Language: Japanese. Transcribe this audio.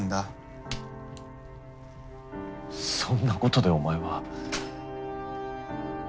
そんなことでお前は。